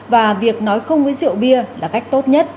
và việc nói không với rượu bia là cách tốt nhất